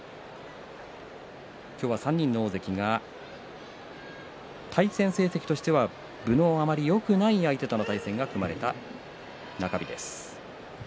今日は３人の大関が対戦成績としてはあまり分のよくない相手との対戦が組まれています中日です。